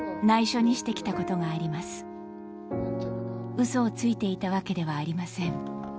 ウソをついていたわけではありません。